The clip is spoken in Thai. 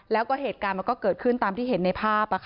แล้วก็เหตุการณ์มันก็เกิดขึ้นตามที่เห็นในภาพ